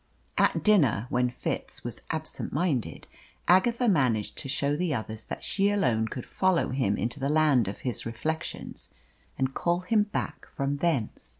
At dinner, when Fitz was absent minded, Agatha managed to show the others that she alone could follow him into the land of his reflections and call him back from thence.